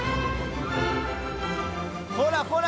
ほらほら